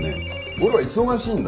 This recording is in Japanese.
俺は忙しいんだな。